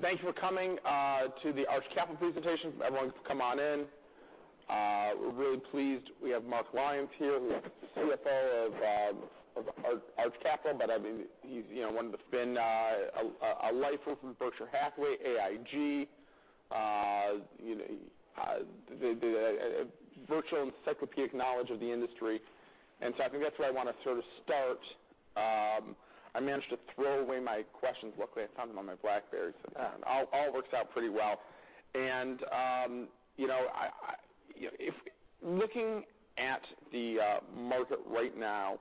Thank you for coming to the Arch Capital presentation. Everyone can come on in. We are really pleased. We have Mark Lyons here who is the CFO of Arch Capital. He is one that has been a lifer from Berkshire Hathaway, AIG, virtual encyclopedic knowledge of the industry. I think that is where I want to sort of start. I managed to throw away my questions. Luckily, I found them on my BlackBerry. Yeah. All works out pretty well. Looking at the market right now,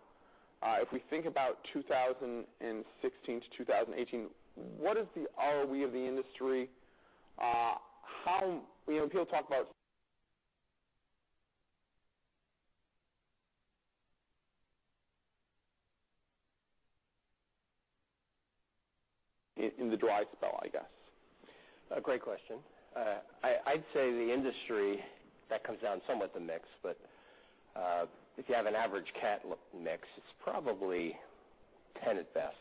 if we think about 2016 to 2018, what is the ROE of the industry? People talk about in the dry spell, I guess. Great question. I would say the industry, that comes down somewhat to mix, but if you have an average cat mix, it is probably 10 at best.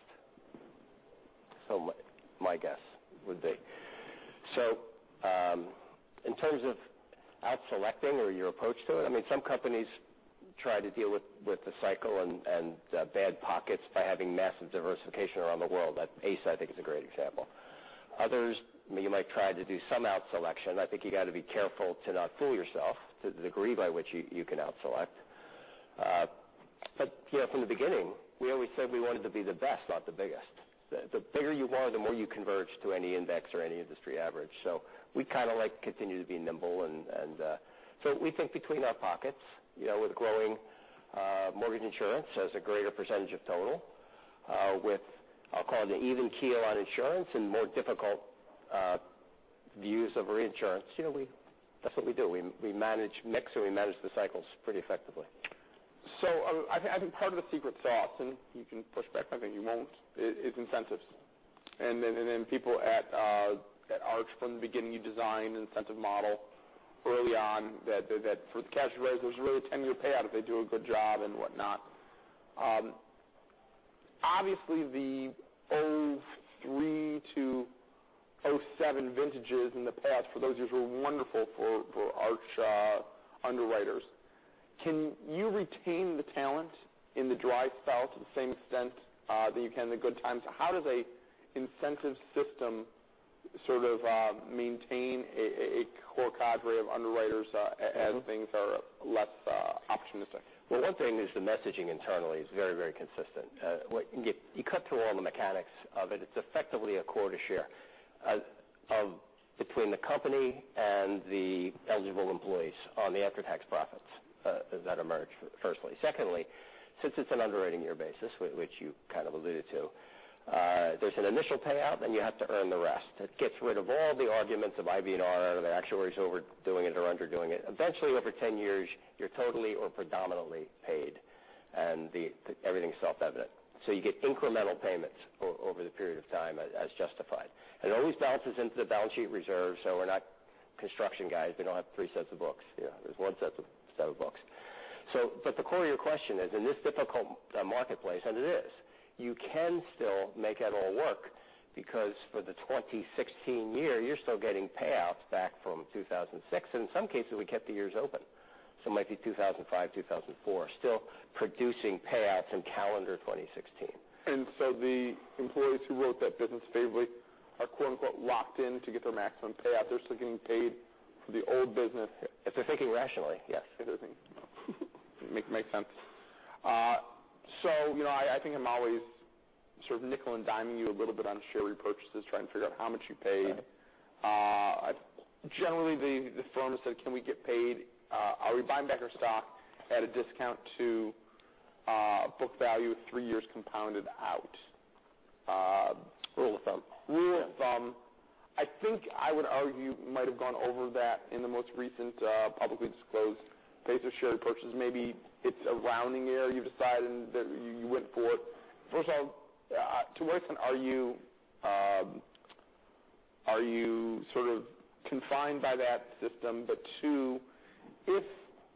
My guess would be. In terms of out selecting or your approach to it, some companies try to deal with the cycle and bad pockets by having massive diversification around the world. ACE, I think, is a great example. Others, you might try to do some out selection. I think you got to be careful to not fool yourself to the degree by which you can out select. From the beginning, we always said we wanted to be the best, not the biggest. The bigger you are, the more you converge to any index or any industry average. We kind of like to continue to be nimble. We think between our pockets with growing mortgage insurance as a greater percentage of total with, I will call it an even keel on insurance and more difficult views of reinsurance. That is what we do. We manage mix, and we manage the cycles pretty effectively. I think part of the secret sauce, and you can push back, I think you won't, is incentives. People at Arch from the beginning, you design an incentive model early on that for the cash rate, there's really a 10-year payout if they do a good job and whatnot. Obviously, the 2003 to 2007 vintages in the past for those years were wonderful for Arch underwriters. Can you retain the talent in the dry spells to the same extent that you can in the good times? How does an incentive system sort of maintain a core cadre of underwriters as things are less optimistic? Well, one thing is the messaging internally is very consistent. You cut through all the mechanics of it's effectively a quota share between the company and the eligible employees on the after-tax profits that emerge, firstly. Secondly, since it's an underwriting year basis, which you kind of alluded to, there's an initial payout, then you have to earn the rest. It gets rid of all the arguments of IBNR out of it. Actuaries overdoing it or underdoing it. Eventually, over 10 years, you're totally or predominantly paid and everything's self-evident. You get incremental payments over the period of time as justified. It always balances into the balance sheet reserve, so we're not construction guys. We don't have three sets of books. There's one set of books. The core of your question is in this difficult marketplace, and it is, you can still make it all work because for the 2016 year, you're still getting payouts back from 2006, and in some cases, we kept the years open. It might be 2005, 2004, still producing payouts in calendar 2016. The employees who wrote that business favorably are "locked in" to get their maximum payout. They're still getting paid for the old business. If they're thinking rationally, yes. If they're thinking. Makes sense. I think I'm always sort of nickel and diming you a little bit on share repurchases, trying to figure out how much you paid. Okay. Generally, the firm has said, can we get paid? Are we buying back our stock at a discount to book value 3 years compounded out? Rule of thumb. Rule of thumb. I think I would argue might have gone over that in the most recent publicly disclosed pace of share purchase. Maybe it's a rounding error you've decided that you went for. First of all, to what extent are you sort of confined by that system? Two, if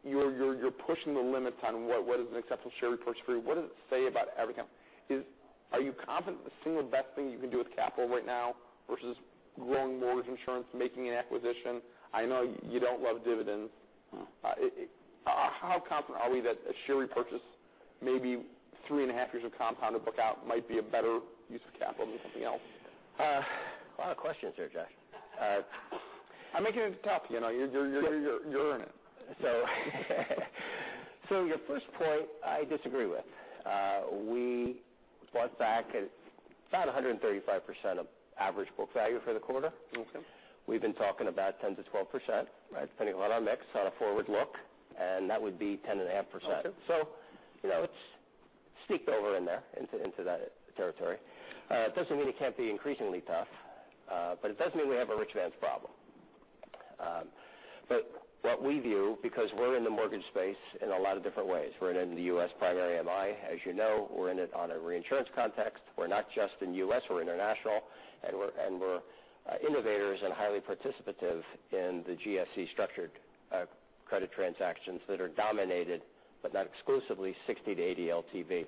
you're pushing the limits on what is an acceptable share repurchase for you, what does it say about every company? Are you confident the single best thing you can do with capital right now versus growing mortgage insurance, making an acquisition? I know you don't love dividends. No. How confident are we that a share repurchase maybe three and a half years of compounded book out might be a better use of capital than something else? A lot of questions here, Josh. I'm making it tough. You're earning it. Your first point I disagree with. We bought back at about 135% of average book value for the quarter. Okay. We've been talking about 10%-12%, right, depending on our mix on a forward look, and that would be 10.5%. Okay. It's steeped over in there, into that territory. It doesn't mean it can't be increasingly tough. It does mean we have a rich man's problem. What we view, because we're in the mortgage space in a lot of different ways. We're in the U.S. primary MI, as you know. We're in it on a reinsurance context. We're not just in U.S., we're international, and we're innovators and highly participative in the GSE structured credit transactions that are dominated, but not exclusively 60-80 LTV.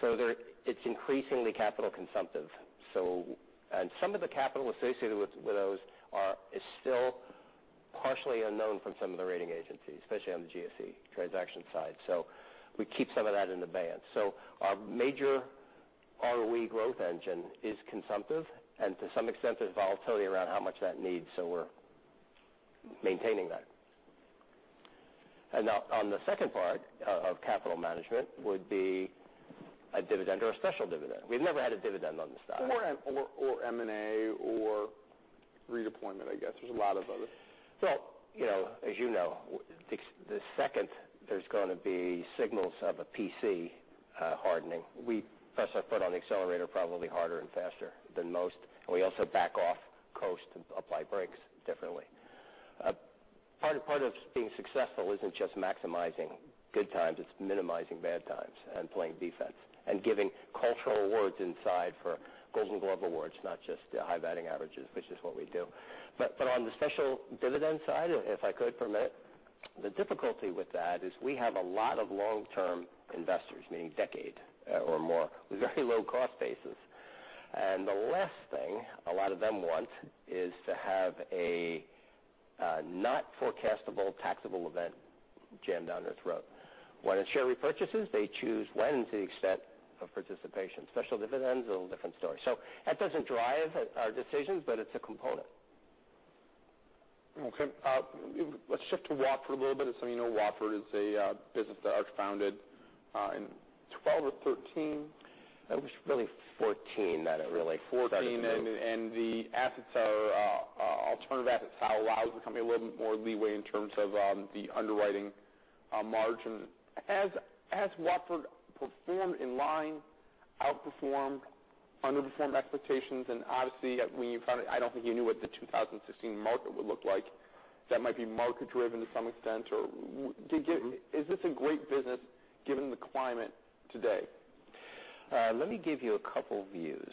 It's increasingly capital consumptive. Some of the capital associated with those is still partially unknown from some of the rating agencies, especially on the GSE transaction side. We keep some of that in the bank. Our major ROE growth engine is consumptive, and to some extent, there's volatility around how much that needs, so we're maintaining that. On the second part of capital management would be a dividend or a special dividend. We've never had a dividend on the side. M&A or redeployment, I guess. There's a lot of others. As you know, the second there's going to be signals of a P&C hardening, we press our foot on the accelerator probably harder and faster than most, and we also back off coast and apply brakes differently. Part of being successful isn't just maximizing good times, it's minimizing bad times and playing defense and giving cultural awards inside for Gold Glove Award, not just the high batting averages, which is what we do. On the special dividend side, if I could for a minute, the difficulty with that is we have a lot of long-term investors, meaning decade or more, with very low cost bases. The last thing a lot of them want is to have a not forecastable taxable event jammed down their throat. When it's share repurchases, they choose when to the extent of participation. Special dividends, a little different story. That doesn't drive our decisions, but it's a component. Let's shift to Watford a little bit. As some of you know, Watford is a business that Arch founded in 2012 or 2013. It was really 2014 that it really started to move. 2014, the alternative assets allow the company a little bit more leeway in terms of the underwriting margin. Has Watford performed in line, outperformed, underperformed expectations? Obviously, when you founded, I don't think you knew what the 2016 market would look like. That might be market-driven to some extent. Is this a great business given the climate today? Let me give you a two views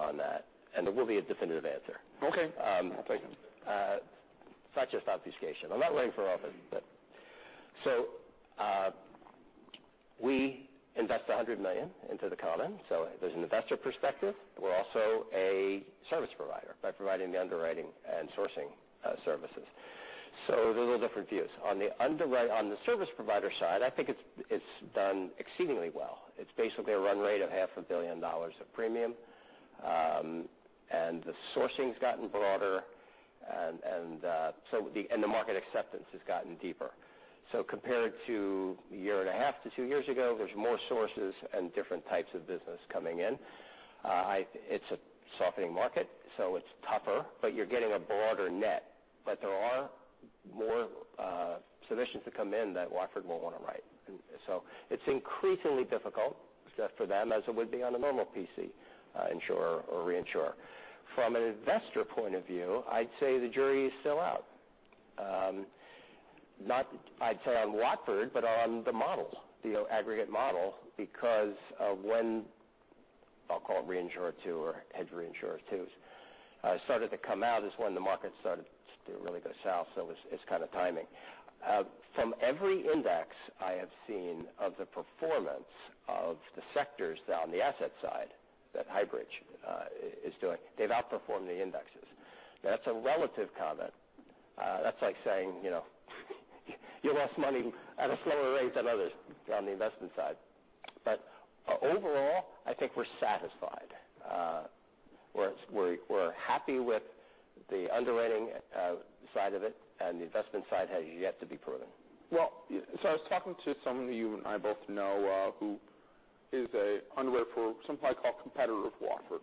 on that, and there will be a definitive answer. Okay. I'll take them. We invest $100 million into the common, there's an investor perspective. We're also a service provider by providing the underwriting and sourcing services. Those are different views. On the service provider side, I think it's done exceedingly well. It's basically a run rate of half a billion dollars of premium, and the sourcing's gotten broader. The market acceptance has gotten deeper. Compared to a year and a half to two years ago, there's more sources and different types of business coming in. It's a softening market, so it's tougher, but you're getting a broader net. There are more submissions that come in that Watford will want to write. It's increasingly difficult for them as it would be on a normal PC insurer or reinsurer. From an investor point of view, I'd say the jury is still out. Not I'd say on Watford, but on the model, the aggregate model, because when, I'll call it reinsurer two or hedge reinsurer two, started to come out is when the market started to really go south, it's kind of timing. From every index I have seen of the performance of the sectors on the asset side that Highbridge is doing, they've outperformed the indexes. That's a relative comment. That's like saying you lost money at a slower rate than others on the investment side. Overall, I think we're satisfied. We're happy with the underwriting side of it, and the investment side has yet to be proven. I was talking to someone that you and I both know who is a underwriter for some might call competitor of Watford.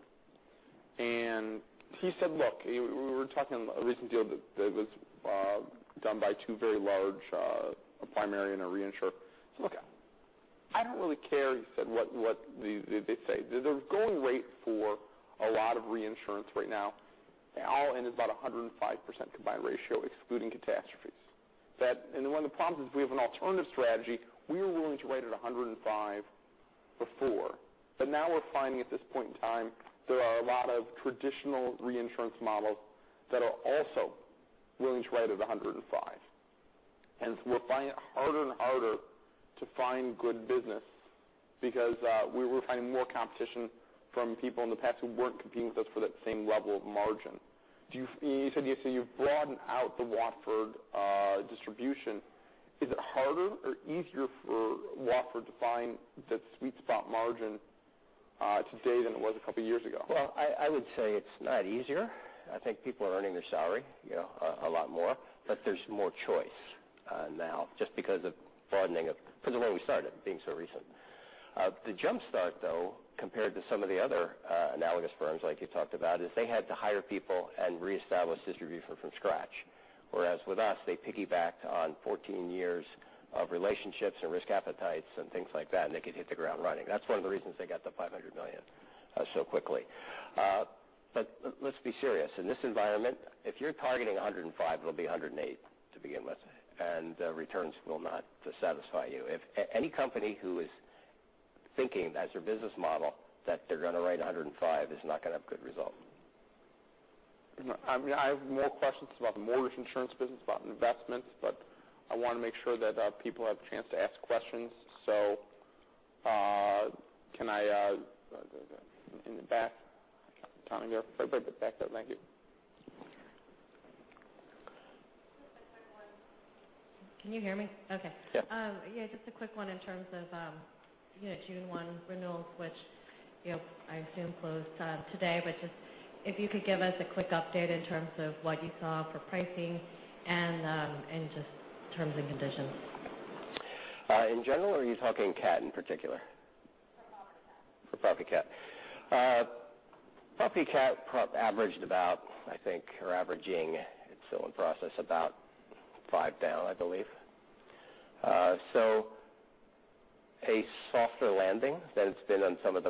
He said, "Look." We were talking a recent deal that was done by two very large, a primary and a reinsurer. He said, "Look, I don't really care," he said, "what they say." The going rate for a lot of reinsurance right now all in is about 105% combined ratio excluding catastrophes. One of the problems is we have an alternative strategy. We were willing to write at 105 before. Now we're finding at this point in time, there are a lot of traditional reinsurance models that are also willing to write at 105, we're finding it harder and harder to find good business because we were finding more competition from people in the past who weren't competing with us for that same level of margin. You've broadened out the Watford distribution. Is it harder or easier for Watford to find that sweet spot margin today than it was a couple of years ago? I would say it's not easier. I think people are earning their salary a lot more. There's more choice now just because of broadening of because of where we started, being so recent. The jumpstart, though, compared to some of the other analogous firms like you talked about, is they had to hire people and reestablish distribution from scratch. Whereas with us, they piggybacked on 14 years of relationships and risk appetites and things like that, and they could hit the ground running. That's one of the reasons they got the $500 million so quickly. Let's be serious. In this environment, if you're targeting 105, it'll be 108 to begin with. Returns will not satisfy you. Any company who is thinking as their business model that they're going to write 105 is not going to have good results. I have more questions about the mortgage insurance business, about investments. I want to make sure that people have a chance to ask questions. Can I, in the back, Tony, there, right back there. Thank you. Just a quick one. Can you hear me? Okay. Yeah. Just a quick one in terms of June 1 renewals, which I assume closed today. Just if you could give us a quick update in terms of what you saw for pricing and just terms and conditions. In general, or are you talking cat in particular? For property cat. For property cat. Property cat averaged about, I think, or averaging, it's still in process, about five down, I believe. A softer landing than it's been on some of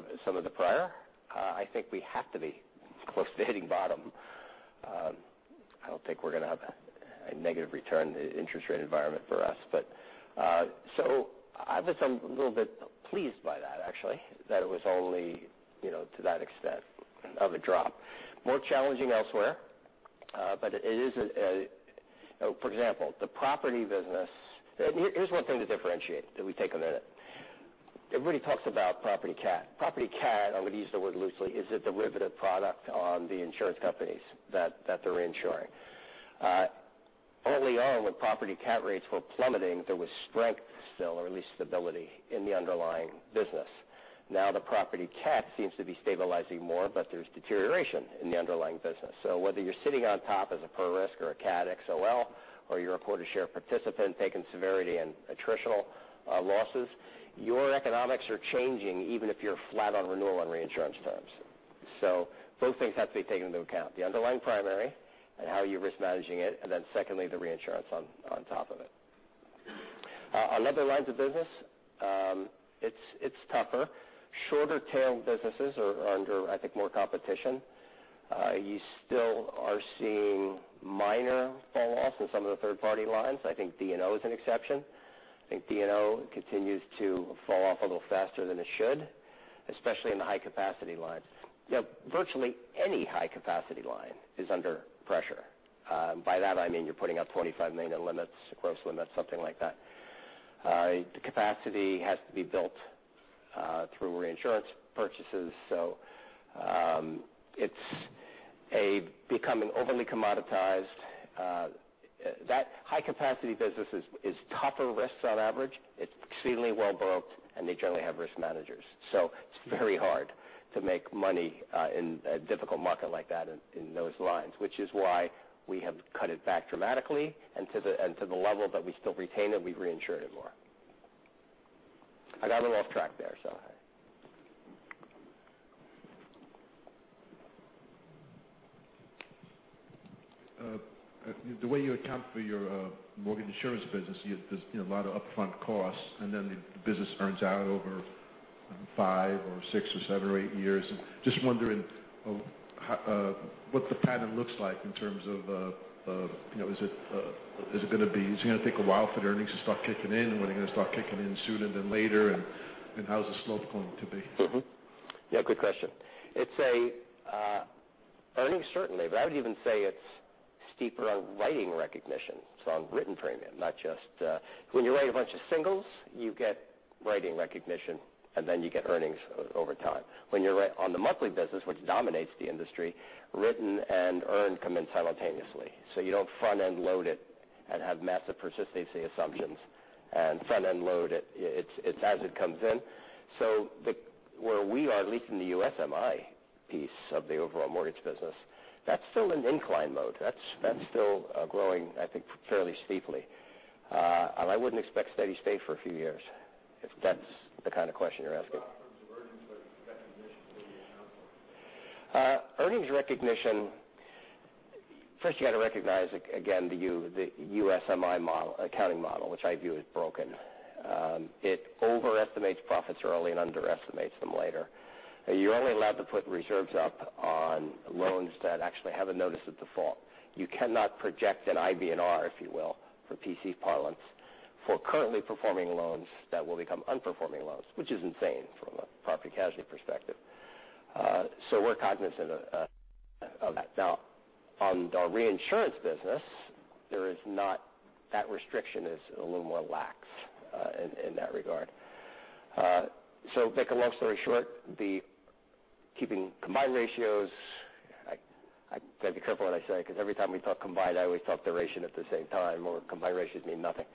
the prior. I think we have to be close to hitting bottom. I don't think we're going to have a negative return interest rate environment for us. I was a little bit pleased by that actually, that it was only to that extent of a drop. More challenging elsewhere. For example, the property business. Here's one thing to differentiate, that we take a minute. Everybody talks about property cat. Property cat, I would use the word loosely, is a derivative product on the insurance companies that they're insuring. Early on, when property cat rates were plummeting, there was strength still or at least stability in the underlying business. Now the property cat seems to be stabilizing more, there's deterioration in the underlying business. Whether you're sitting on top as a per risk or a catastrophe XOL, or you're a quota share participant taking severity and attritional losses, your economics are changing even if you're flat on renewal and reinsurance terms. Those things have to be taken into account, the underlying primary and how you're risk managing it, and then secondly, the reinsurance on top of it. On other lines of business, it's tougher. Shorter tail businesses are under, I think, more competition. You still are seeing minor fall-offs in some of the third-party lines. I think D&O is an exception. I think D&O continues to fall off a little faster than it should, especially in the high capacity lines. Virtually any high capacity line is under pressure. By that I mean you're putting up $25 million limits, gross limits, something like that. The capacity has to be built through reinsurance purchases. It's becoming overly commoditized. That high capacity business is tougher risks on average. It's exceedingly well built and they generally have risk managers. It's very hard to make money in a difficult market like that in those lines, which is why we have cut it back dramatically and to the level that we still retain it, we've reinsured it more. I got a little off track there, so. The way you account for your mortgage insurance business, there's a lot of upfront costs and then the business earns out over five or six or seven or eight years. Just wondering what the pattern looks like in terms of, is it going to take a while for the earnings to start kicking in, and when are they going to start kicking in sooner than later, and how's the slope going to be? Yeah, good question. It's earnings certainly, but I would even say it's steeper on writing recognition. On written premium, not just, when you write a bunch of singles, you get writing recognition and then you get earnings over time. When you're on the monthly business, which dominates the industry, written and earned come in simultaneously. You don't front-end load it and have massive persistency assumptions and front-end load it. It's as it comes in. Where we are, at least in the USMI piece of the overall mortgage business, that's still in incline mode. That's still growing, I think, fairly steeply. I wouldn't expect steady state for a few years, if that's the kind of question you're asking. How often does earnings recognition really account for? Earnings recognition, first you got to recognize, again, the USMI accounting model, which I view as broken. It overestimates profits early and underestimates them later. You're only allowed to put reserves up on loans that actually have a notice of default. You cannot project an IBNR, if you will, for PC parlance, for currently performing loans that will become unperforming loans, which is insane from a property casualty perspective. We're cognizant of that. Now, on the reinsurance business, that restriction is a little more lax in that regard. Make a long story short, the keeping combined ratios, I've got to be careful what I say because every time we talk combined, I always talk duration at the same time or combined ratios mean nothing.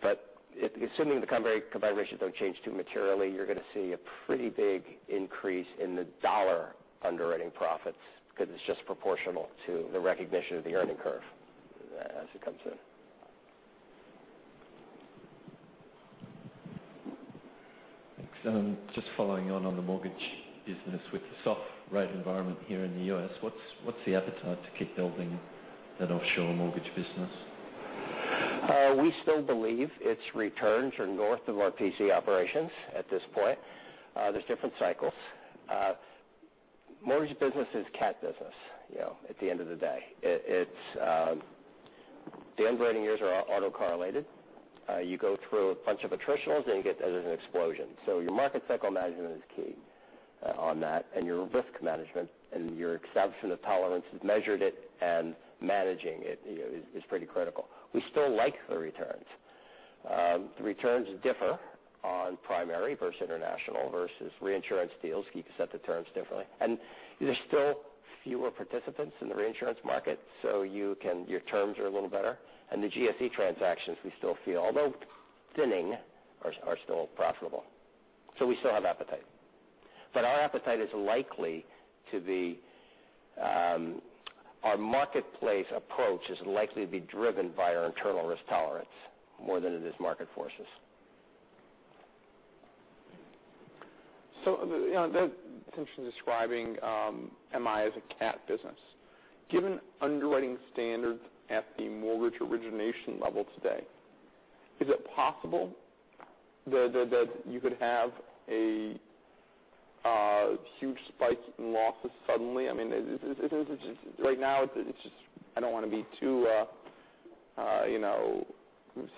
Assuming the combined ratios don't change too materially, you're going to see a pretty big increase in the dollar underwriting profits because it's just proportional to the recognition of the earning curve as it comes in. Thanks. Just following on the mortgage business with the soft rate environment here in the U.S., what's the appetite to keep building that offshore mortgage business? We still believe its returns are north of our PC operations at this point. There's different cycles. Mortgage business is cat business, at the end of the day. The underwriting years are all autocorrelated. You go through a bunch of attritionals and you get an explosion. Your market cycle management is key on that, and your risk management and your acceptance of tolerance, measured it and managing it is pretty critical. We still like the returns. The returns differ on primary versus international versus reinsurance deals. You can set the terms differently. There's still fewer participants in the reinsurance market, your terms are a little better. The GSE transactions, we still feel, although thinning, are still profitable. We still have appetite. Our marketplace approach is likely to be driven by our internal risk tolerance more than it is market forces. That potential describing MI as a CAT business. Given underwriting standards at the mortgage origination level today, is it possible that you could have a huge spike in losses suddenly? Right now, I don't want to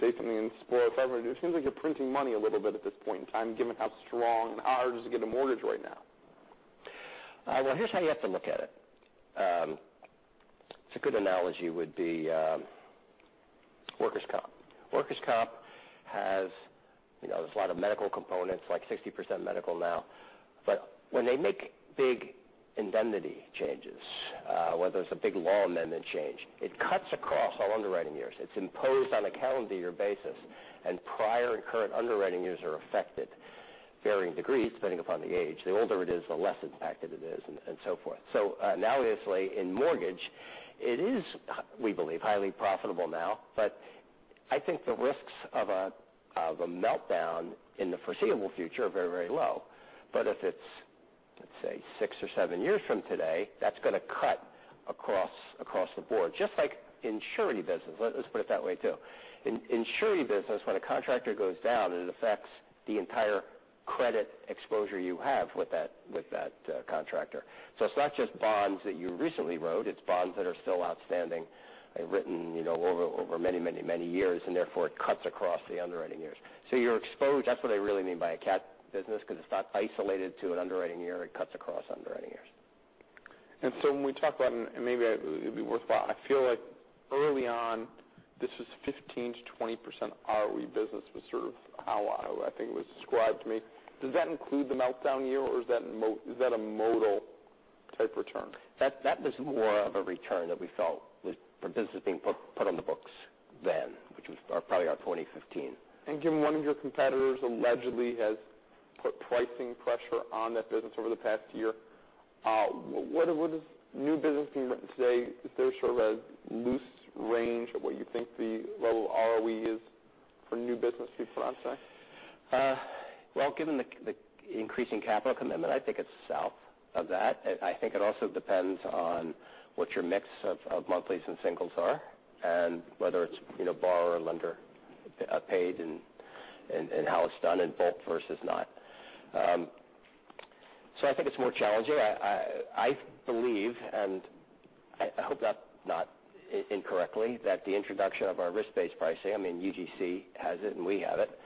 say something and spoil forever, but it seems like you're printing money a little bit at this point in time, given how strong and hard it is to get a mortgage right now. Here's how you have to look at it. A good analogy would be workers' comp. Workers' comp, there's a lot of medical components, like 60% medical now. When they make big indemnity changes, whether it's a big law amendment change, it cuts across all underwriting years. It's imposed on a calendar year basis, and prior and current underwriting years are affected, varying degrees depending upon the age. The older it is, the less impacted it is, and so forth. Analogously in mortgage, it is, we believe, highly profitable now. I think the risks of a meltdown in the foreseeable future are very low. If it's, let's say, six or seven years from today, that's going to cut across the board. Just like surety business. Let's put it that way, too. In surety business, when a contractor goes down, it affects the entire credit exposure you have with that contractor. It's not just bonds that you recently wrote, it's bonds that are still outstanding and written over many years, and therefore, it cuts across the underwriting years. That's what I really mean by a CAT business, because it's not isolated to an underwriting year. It cuts across underwriting years. When we talk about, and maybe it'd be worthwhile, I feel like early on, this was 15%-20% ROE business was sort of how I think it was described to me. Does that include the meltdown year, or is that a modal-type return? That was more of a return that we felt was for business being put on the books then, which was probably our 2015. Given one of your competitors allegedly has put pricing pressure on that business over the past year, what is new business being written today? Is there sort of a loose range of what you think the level of ROE is for new business going forward, say? Given the increasing capital commitment, I think it's south of that. I think it also depends on what your mix of monthlies and singles are, and whether it's borrower or lender-paid, and how it's done in bulk versus not. I think it's more challenging. I believe, and I hope that not incorrectly, that the introduction of our risk-based pricing, I mean, UGC has it and we have it,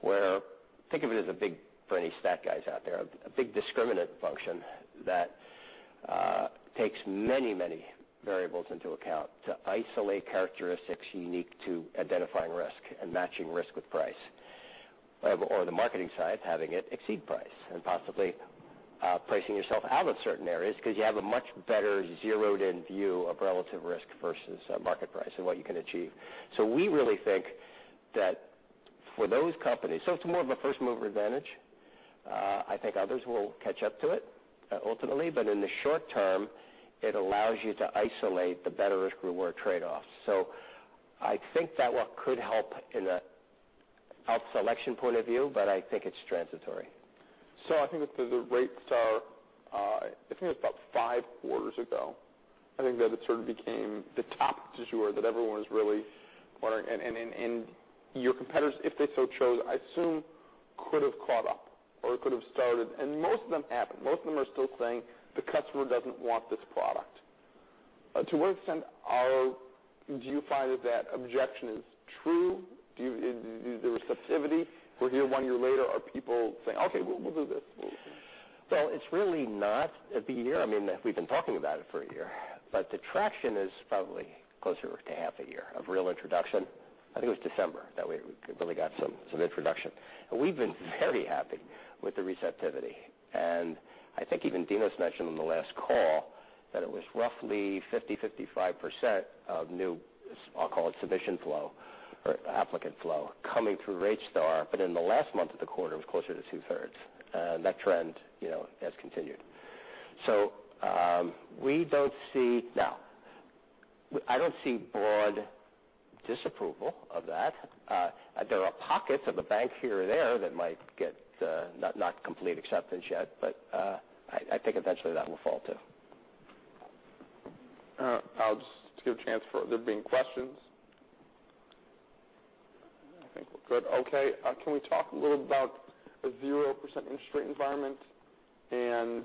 where think of it as, for any stat guys out there, a big discriminant function that takes many variables into account to isolate characteristics unique to identifying risk and matching risk with price. The marketing side, having it exceed price and possibly pricing yourself out of certain areas because you have a much better zeroed-in view of relative risk versus market price and what you can achieve. We really think that for those companies, so it's more of a first-mover advantage. I think others will catch up to it, ultimately. In the short term, it allows you to isolate the better risk reward trade-offs. I think that could help in a health selection point of view, but I think it's transitory. I think with the RateStar, I think it was about 5 quarters ago, I think that it sort of became the top du jour that everyone was really wondering. Your competitors, if they so chose, I assume, could've caught up or could have started. Most of them haven't. Most of them are still saying the customer doesn't want this product. To what extent do you find that that objection is true? The receptivity, we're here 1 year later. Are people saying, "Okay, we'll do this. Well, it's really not the year. I mean, we've been talking about it for 1 year, but the traction is probably closer to half a year of real introduction. I think it was December that we really got some introduction. We've been very happy with the receptivity. I think even Dinos mentioned on the last call that it was roughly 50%-55% of new, I'll call it submission flow or applicant flow, coming through RateStar. In the last month of the quarter, it was closer to two-thirds. That trend has continued. I don't see broad disapproval of that. There are pockets of a bank here or there that might get not complete acceptance yet, but I think eventually that will fall, too. I'll just give a chance for there being questions. Good. Okay. Can we talk a little about a 0% interest rate environment and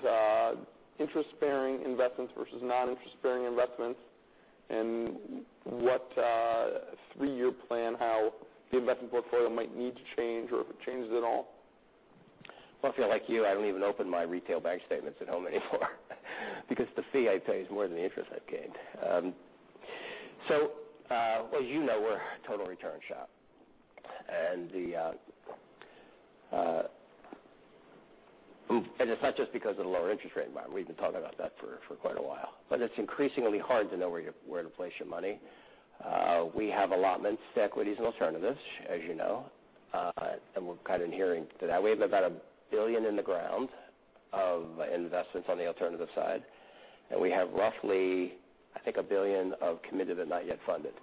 interest-bearing investments versus non-interest-bearing investments, and what a 3-year plan, how the investment portfolio might need to change or if it changes at all? Well, if I feel like you, I don't even open my retail bank statements at home anymore. Because the fee I pay is more than the interest I've gained. As you know, we're a total return shop. It's not just because of the lower interest rate environment. We've been talking about that for quite a while. It's increasingly hard to know where to place your money. We have allotments to equities and alternatives, as you know. We're kind of adhering to that. We have about $1 billion in the ground of investments on the alternative side. We have roughly, I think, $1 billion of committed but not yet funded.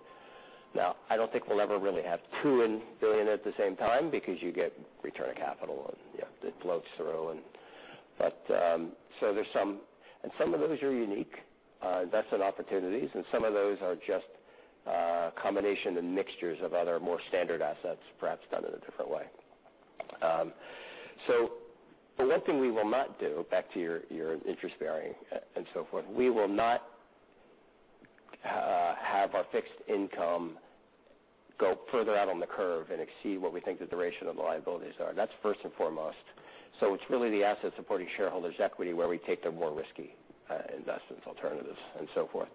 I don't think we'll ever really have $2 billion at the same time because you get return of capital, and it floats through. Some of those are unique investment opportunities, some of those are just a combination and mixtures of other more standard assets, perhaps done in a different way. The one thing we will not do, back to your interest bearing and so forth, we will not have our fixed income go further out on the curve and exceed what we think the duration of the liabilities are. That's first and foremost. It's really the asset supporting shareholders' equity where we take the more risky investments, alternatives, and so forth.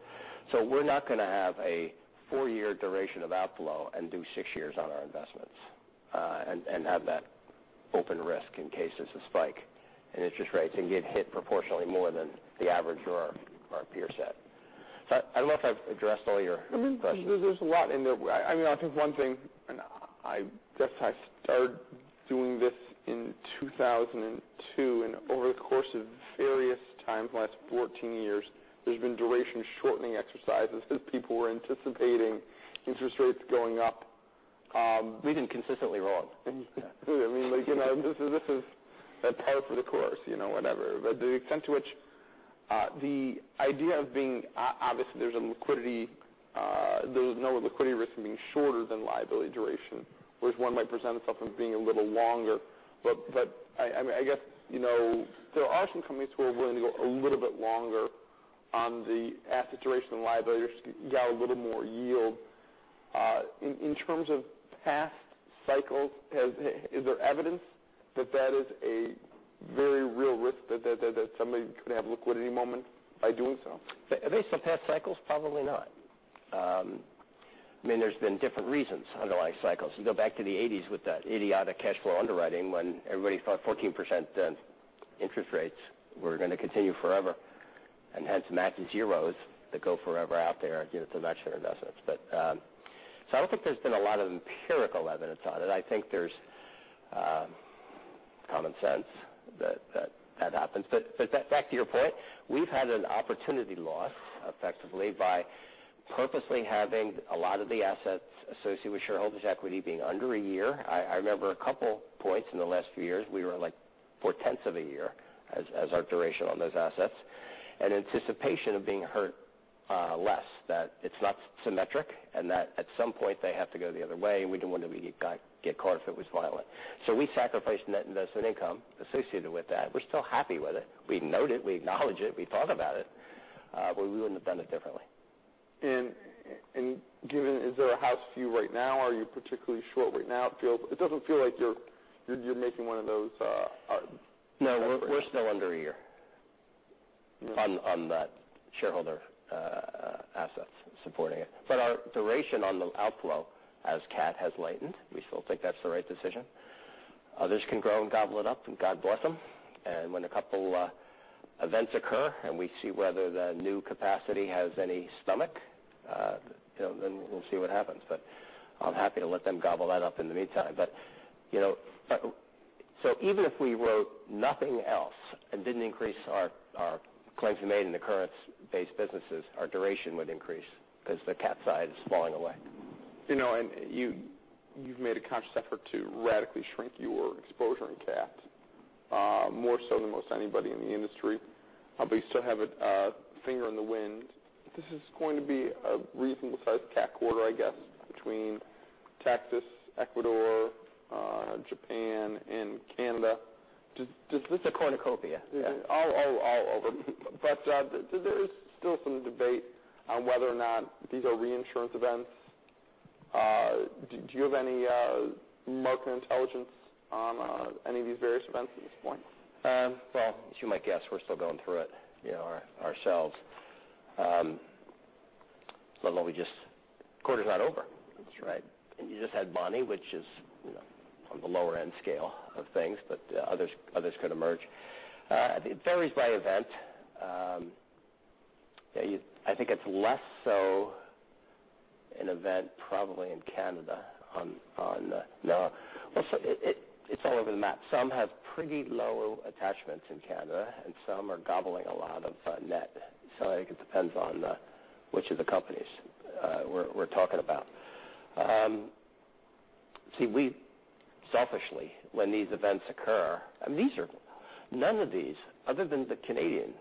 We're not going to have a 4-year duration of outflow and do 6 years on our investments, and have that open risk in case there's a spike in interest rates and get hit proportionally more than the average or our peer set. I don't know if I've addressed all your questions. I mean, there's a lot in there. I think one thing, I guess I started doing this in 2002, over the course of various times in the last 14 years, there's been duration shortening exercises as people were anticipating interest rates going up. We've been consistently wrong. Yeah. This is a par for the course, whatever. The extent to which the idea of obviously, there's no liquidity risk in being shorter than liability duration, whereas one might present itself as being a little longer. I guess there are some companies who are willing to go a little bit longer on the asset duration and liability to get a little more yield. In terms of past cycles, is there evidence that that is a very real risk, that somebody could have a liquidity moment by doing so? Based on past cycles? Probably not. There's been different reasons underlying cycles. You go back to the '80s with that idiotic cash flow underwriting when everybody thought 14% interest rates were going to continue forever, and hence matching zeros that go forever out there to match their investments. I don't think there's been a lot of empirical evidence on it. I think there's common sense that that happens. Back to your point, we've had an opportunity loss, effectively, by purposely having a lot of the assets associated with shareholders' equity being under a year. I remember a couple points in the last few years, we were like four tenths of a year as our duration on those assets. In anticipation of being hurt less, that it's not symmetric, and that at some point they have to go the other way. We didn't want to get caught if it was violent. We sacrificed net investment income associated with that. We're still happy with it. We note it, we acknowledge it, we thought about it. We wouldn't have done it differently. Is there a house view right now? Are you particularly short right now? It doesn't feel like you're making one of those- No, we're still under a year on the shareholder assets supporting it. Our duration on the outflow as cat has lightened. We still think that's the right decision. Others can grow and gobble it up, and God bless them. When a couple events occur and we see whether the new capacity has any stomach, then we'll see what happens. I'm happy to let them gobble that up in the meantime. Even if we wrote nothing else and didn't increase our claims-made in the current base businesses, our duration would increase because the cat side is falling away. You've made a conscious effort to radically shrink your exposure in cat, more so than most anybody in the industry. You still have a finger on the wind. This is going to be a reasonable sized cat quarter, I guess, between Texas, Ecuador, Japan, and Canada. Does- This is a cornucopia. Yeah. All of them. There is still some debate on whether or not these are reinsurance events. Do you have any market intelligence on any of these various events at this point? Well, as you might guess, we're still going through it ourselves. Let alone we quarter's not over. That's right. You just had Bonnie, which is on the lower-end scale of things, but others could emerge. It varies by event. I think it's less so an event probably in Canada. Well, it's all over the map. Some have pretty low attachments in Canada, and some are gobbling a lot of net. I think it depends on which of the companies we're talking about. See, we selfishly, when these events occur, none of these, other than the Canadian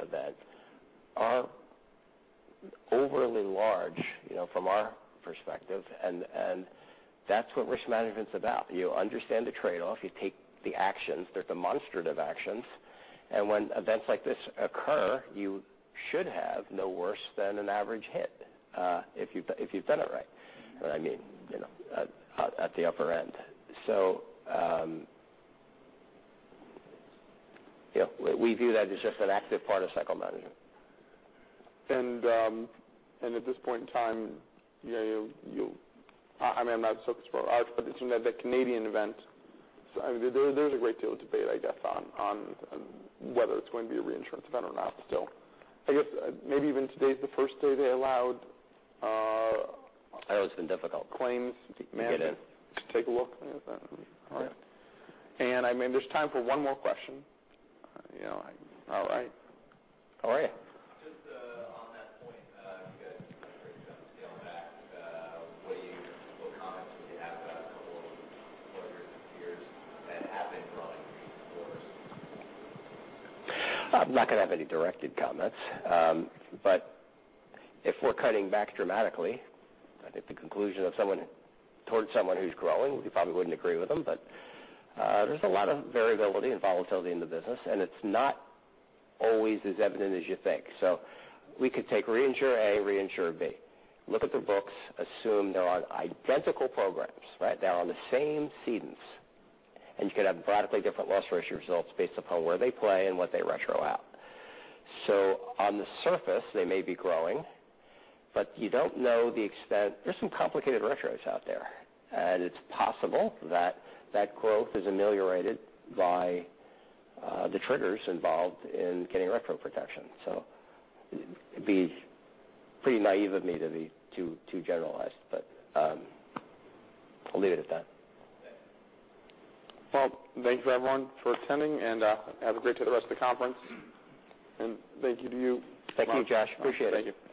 event, are overly large, from our perspective, and that's what risk management's about. You understand the trade-off, you take the actions, there's demonstrative actions, and when events like this occur, you should have no worse than an average hit if you've done it right. I mean, at the upper end. We view that as just an active part of cycle management. At this point in time, I'm not a spokesperson for Arch, the Canadian event, there's a great deal of debate, I guess, on whether it's going to be a reinsurance event or not still. I guess maybe even today's the first day they allowed- I know it's been difficult claims to be managed. We did it. Take a look at that. All right. There's time for one more question. All right. How are you? Just on that point, you guys mentioned on scaling back. What comments would you have about a couple of your peers that have been growing pretty vigorously? I'm not going to have any directed comments. If we're cutting back dramatically, I think the conclusion towards someone who's growing, you probably wouldn't agree with them, but there's a lot of variability and volatility in the business, and it's not always as evident as you think. We could take reinsurer A, reinsurer B, look at their books, assume they're on identical programs, right? They're on the same cedents, and you could have radically different loss ratio results based upon where they play and what they retro out. On the surface, they may be growing, but you don't know the extent. There's some complicated retros out there. It's possible that that growth is ameliorated by the triggers involved in getting retro protection. It'd be pretty naive of me to be too generalized, but I'll leave it at that. Well, thank you everyone for attending, have a great day the rest of the conference. Thank you to you. Thank you, Josh. Appreciate it. Thank you.